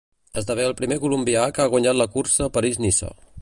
Esdevé el primer colombià que ha guanyat la cursa París-Niça.